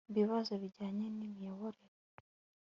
bibazo bijyanye n imiyoborere